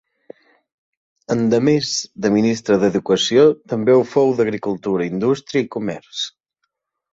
Endemés de ministre d'educació, també ho fou d'agricultura, indústria i comerç.